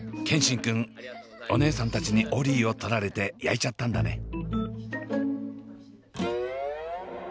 健新くんお姉さんたちにオリィを取られてやいちゃったんだね。